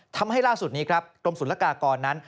ทำให้ล่าสุดนี้กรมศูนย์ละกากรนั้น